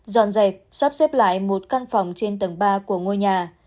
dọn dẹp sắp xếp lại một căn phòng trên tầng ba của ngôi nhà